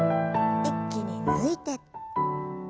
一気に抜いて。